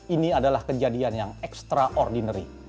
ini adalah kejadian yang extraordinary